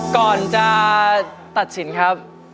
ก่อนจะตัดสินครับ